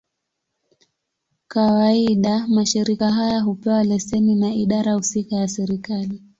Kawaida, mashirika haya hupewa leseni na idara husika ya serikali.